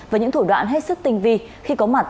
với những thủ đoạn hết sức tinh vi khi có mặt